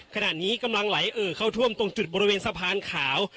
ขณะนี้กำลังไหลเอ่อเข้าท่วมตรงจุดบริเวณสะพานขาว